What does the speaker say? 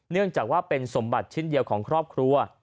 เนื่องจากว่าเป็นสมบัติชิ้นเดียวของครอบครัว